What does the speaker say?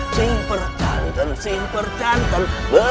sing percantan sing percantan